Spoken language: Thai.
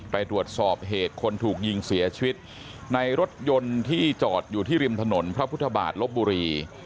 ไปตรวจสอบเหตุคนถูกยิงเสียชีวิตในรถยนต์ที่จอดอยู่ที่ริมถนนพระพุทธบาทลบบุรี